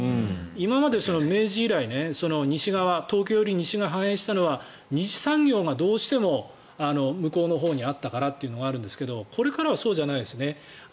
今まで明治以来西側、東京より西が反映したのは２次産業がどうしても向こうのほうにあったからというのがあるんですけど、これからはそうじゃないですね。